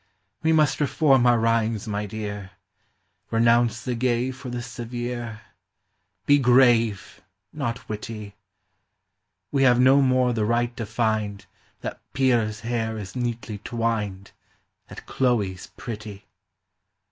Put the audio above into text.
We must reform our rhymes, my dear, Renounce the gay for the severe, — Be grave, not witty ; We have no more the right to find That Pyrrha's hair is neatly twined, That Chloe 's pretty.